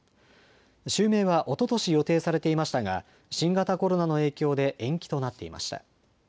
襲名はおととし予定されていましたが新型コロナの影響で延期となっていました。